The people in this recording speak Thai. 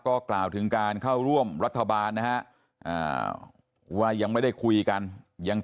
ก็กล่าวถึงการเข้าร่วมรัฐบาลนะฮะว่ายังไม่ได้คุยกันยัง